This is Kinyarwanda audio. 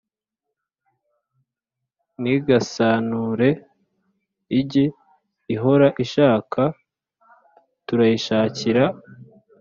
nigasanure ijye ihora ishaka turayishakira.